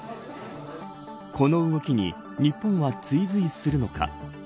この動きに日本は追随するのか。